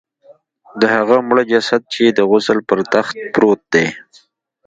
د هغه مړه جسد چې د غسل پر تخت پروت دی.